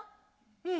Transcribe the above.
うん。